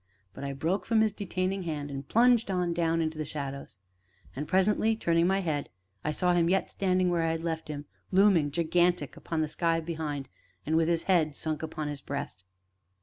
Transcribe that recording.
But I broke from his detaining hand, and plunged on down into the shadows. And, presently, turning my head, I saw him yet standing where I had left him, looming gigantic upon the sky behind, and with his head sunk upon his breast.